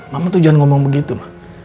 mama tuh jangan ngomong begitu mah